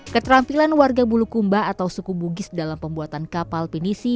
keterampilan warga bulukumba atau suku bugis dalam pembuatan kapal pinisi